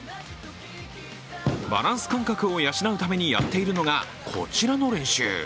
バランス感覚を養うためにやっているのが、こちらの練習。